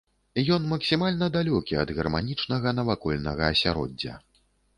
Ён максімальна далёкі ад гарманічнага навакольнага асяроддзя.